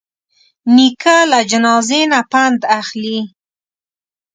نیکه له جنازې نه پند اخلي.